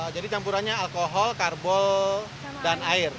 jadi campurannya alkohol karbol dan air